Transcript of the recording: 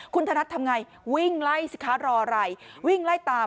คุณธนัดทำไงวิ่งไล่สิคะรออะไรวิ่งไล่ตาม